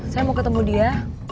saya mau ketemu dia